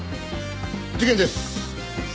事件です。